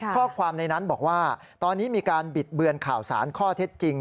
ข้อความในนั้นบอกว่าตอนนี้มีการบิดเบือนข่าวสารข้อเท็จจริง